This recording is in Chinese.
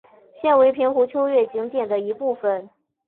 现为平湖秋月景点的一部分。